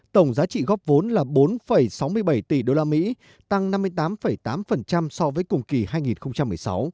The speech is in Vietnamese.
tổng giá trị góp vốn là bốn sáu mươi bảy tỷ usd tăng năm mươi tám tám so với cùng kỳ hai nghìn một mươi sáu